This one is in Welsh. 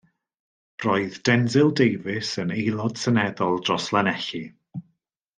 Roedd Denzil Davies yn aelod seneddol dros Lanelli.